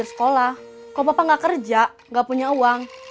nah rayang cu rayang